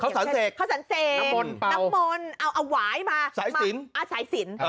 เขาสรรเสกน้ำมนต์เอาหวายมาสายสิน